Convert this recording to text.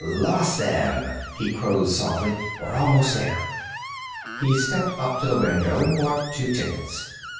"Lost them!" he crowed softly. "We're almost there." He stepped up to the window and bought two tickets.